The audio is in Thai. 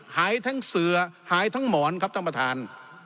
หายทั้งเสือหายทั้งหมอนครับท่านประธาน